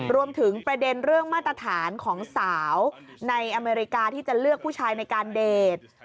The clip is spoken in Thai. รวมถึงประเด็นเรื่องมาตรฐานของสาวในอเมริกาที่จะเลือกผู้ชายในการเดท